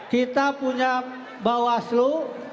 kita punya bawaslu